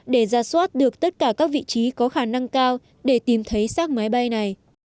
để ra soát được tất cả các vị trí có khả năng cao để tìm thấy xác máy bay này